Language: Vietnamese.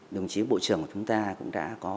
đồng chí bộ trưởng của chúng ta cũng đã có